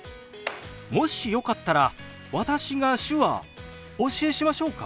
もしよかったら私が手話お教えしましょうか？